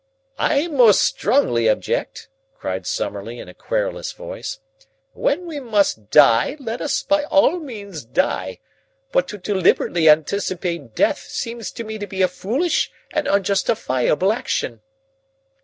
"I most strongly object," cried Summerlee in a querulous voice. "When we must die let us by all means die, but to deliberately anticipate death seems to me to be a foolish and unjustifiable action."